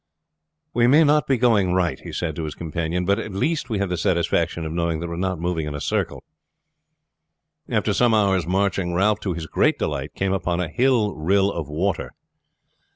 "We may not be going right," he said to his companion, "but at least we have the satisfaction of knowing that we are not moving in a circle." After some hours' marching Ralph, to his great delight, came upon a hill rill of water.